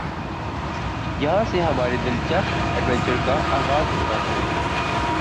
یہاں سے ہمارے دلچسپ ایڈونچر کا آغاز ہوتا ہے ۔